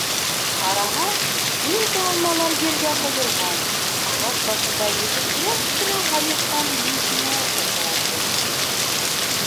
Ҡараһа, бөтә алмалар ергә ҡойолған, ағас башында етемһерәп кенә һайыҫҡан Минтимә ултыра, ти.